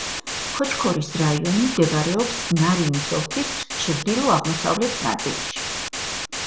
ქოჩქორის რაიონი მდებარეობს ნარინის ოლქის ჩრდილო-აღმოსავლეთ ნაწილში.